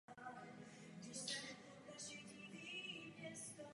Napoleon jí ho udělil.